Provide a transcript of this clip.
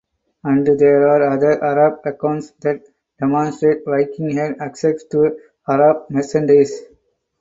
And there are other Arab accounts that demonstrate Vikings had access to Arab merchandise.